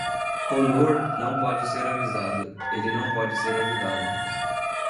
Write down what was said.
Komur não pode ser avisado, ele não pode ser ajudado.